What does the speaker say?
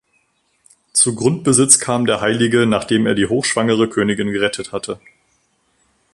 Zu Grundbesitz kam der Heilige, nachdem er die hochschwangere Königin gerettet hatte.